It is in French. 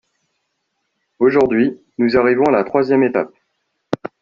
Aujourd’hui, nous arrivons à la troisième étape.